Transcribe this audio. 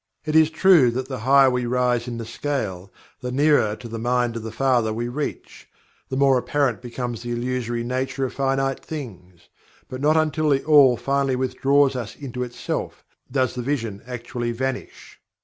It is true that the higher we rise in the scale the nearer to "the mind of the Father" we reach the more apparent becomes the illusory nature of finite things, but not until THE ALL finally withdraws us into itself does the vision actually vanish.